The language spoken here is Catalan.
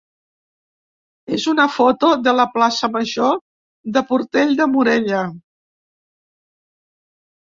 és una foto de la plaça major de Portell de Morella.